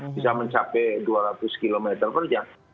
bisa mencapai dua ratus km per jam